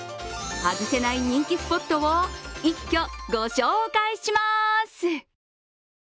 外せない人気スポットを一挙ご紹介します。